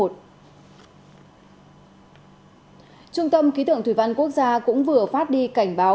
trung tâm ký tưởng thủy văn quốc gia cũng vừa phát đi cảnh báo